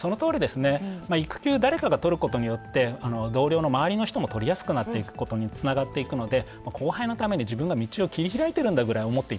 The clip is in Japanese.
まあ育休誰かが取ることによって同僚の周りの人も取りやすくなっていくことにつながっていくので後輩のために自分が道を切り開いてるんだぐらい思っていただいていいと思います。